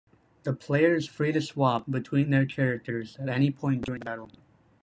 The player is free to swap between their characters at any point during battle.